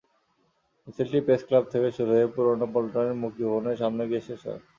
মিছিলটি প্রেসক্লাব থেকে শুরু হয়ে পুরানো পল্টনের মুক্তিভবনের সামনে গিয়ে শেষ হয়।